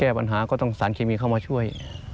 ปัญหาก็ต้องสารเคมีเข้ามาช่วย